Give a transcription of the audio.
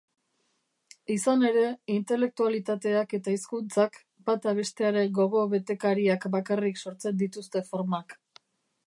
Izan ere intelektualitateak eta hizkuntzak, bata bestearen gogobetekariak bakarrik sortzen dituzte formak.